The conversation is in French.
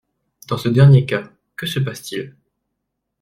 Dans ce dernier cas, que se passe-t-il?